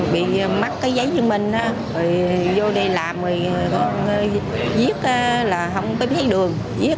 bị mắc cái giấy chứng minh rồi vô đây làm rồi giết là không tới mấy đường